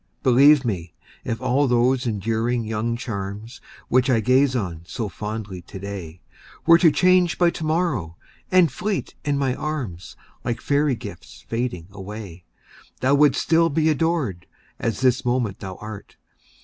Believe me, if all those endearing young charms, Which I gaze on so fondly today, Were to change by to morrow, and fleet in my arms, Like fairy gifts fading away, Thou wouldst still be adored, as this moment thou art.